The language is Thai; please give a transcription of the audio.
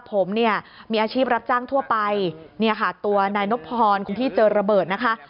ผมเนี่ยมีอาชีพรับจ้างทั่วไปเนี่ยค่ะตัวนายนบพรคนที่เจอระเบิดนะคะ